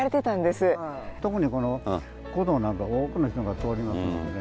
特にこの古道なんか多くの人が通りますのでね